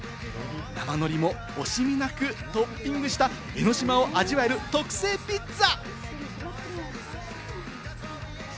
生ノリも惜しみなくトッピングした江の島を味わえる特製ピッツァ！